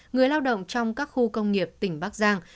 người lao động trong các khu công nghiệp tỉnh bắc giang